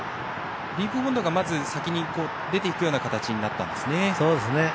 ディープボンドがまず先に出ていくような形になったんですね。